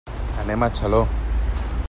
Anem a Xaló.